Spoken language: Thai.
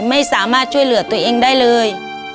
ไม่สามารถช่วยเหลือตัวเองได้เลย